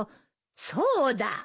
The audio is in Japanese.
そうだ。